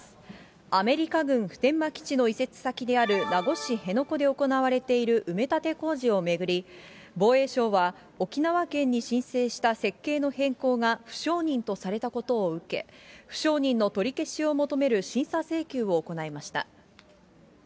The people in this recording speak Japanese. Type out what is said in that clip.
アメリカ軍普天間基地の移設先である名護市辺野古で行われている埋め立て工事を巡り、防衛省は、沖縄県に申請した設計の変更が不承認とされたことを受け、不承認の取り消しを求める審査請求を行いました。